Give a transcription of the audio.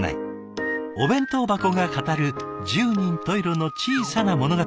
お弁当箱が語る十人十色の小さな物語。